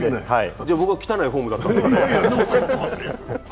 じゃ僕は汚いフォームだったんですかね。